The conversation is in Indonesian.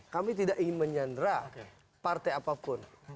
kami tidak ingin menyandra partai apapun